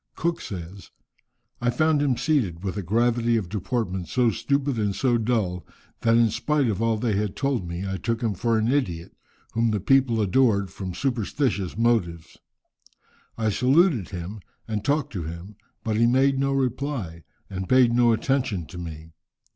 Cook says, "I found him seated, with a gravity of deportment so stupid and so dull, that in spite of all they had told me, I took him for an idiot, whom the people adored from superstitious motives. I saluted him, and talked to him, but he made no reply, and paid no attention to me.